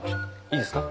いいですか？